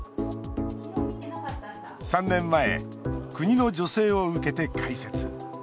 ３年前、国の助成を受けて開設。